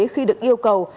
khi được yêu cầu